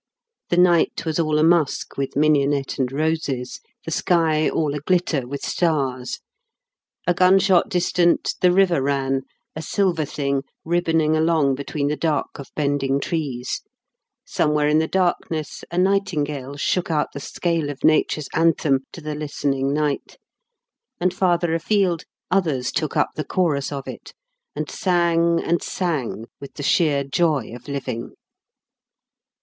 The night was all a musk with mignonette and roses, the sky all a glitter with stars. A gunshot distant the river ran a silver thing ribboning along between the dark of bending trees; somewhere in the darkness a nightingale shook out the scale of Nature's Anthem to the listening Night, and, farther afield, others took up the chorus of it and sang and sang with the sheer joy of living.